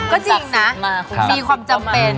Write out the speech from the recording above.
ก็จริงนะมีความจำเป็น